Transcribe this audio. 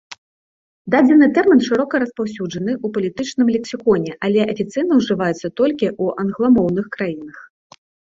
Дадзены тэрмін шырока распаўсюджаны ў палітычным лексіконе, але афіцыйна ўжываецца толькі ў англамоўных краінах.